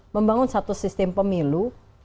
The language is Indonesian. membangun satu sistem pemilu